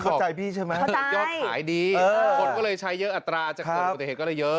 เข้าใจพี่ใช่ไหมยอดขายดีคนก็เลยใช้เยอะอัตราจะเกิดอุบัติเหตุก็ได้เยอะ